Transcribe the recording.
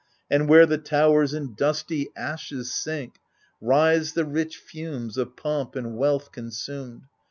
And where the towers in dusty ashes sink. Rise the rich fumes of pomp and wealth consumed.